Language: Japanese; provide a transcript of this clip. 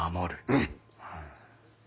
うん！